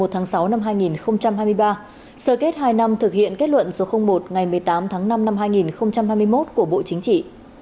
một mươi tháng sáu năm hai nghìn hai mươi ba sơ kết hai năm thực hiện kết luận số một ngày một mươi tám tháng năm năm hai nghìn hai mươi một của bộ chính trị